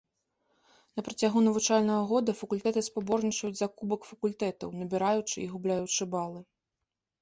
На працягу навучальнага года факультэты спаборнічаюць за кубак факультэтаў, набіраючы і губляючы балы.